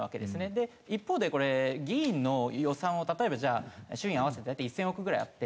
一方で議員の予算を例えばじゃあ衆院合わせて大体１０００億ぐらいあって。